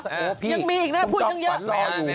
หมดแล้วเหรอยังมีอีกนะพูดยังเยอะ